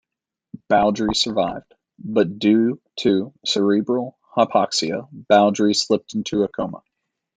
Bowdery survived, but due to cerebral hypoxia Bowdery slipped into a coma.